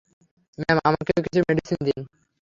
Ma'am, আমাকেও কিছু medicine দিন।